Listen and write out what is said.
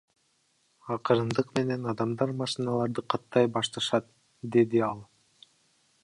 Акырындык менен адамдар машиналарды каттай башташат, — деди ал.